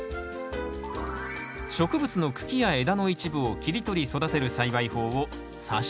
植物の茎や枝の一部を切り取り育てる栽培法をさし木といいます。